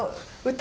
歌？